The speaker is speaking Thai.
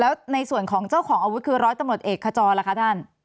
แล้วในส่วนของเจ้าของอาวุธคือร้อยตำรวจเอกขจรล่ะคะท่าน